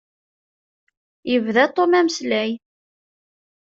Yebda Tom ameslay.